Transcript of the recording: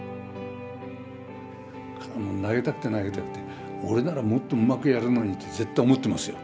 投げたくて投げたくて俺ならもっとうまくやるのにって絶対思ってますよ。